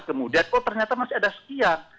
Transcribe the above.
kemudian kok ternyata masih ada sekian